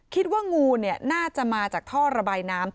งูน่าจะมาจากท่อระบายน้ำ